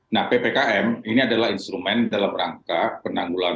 nah ppkm ini adalah instrumen dalam rangka penanggulangan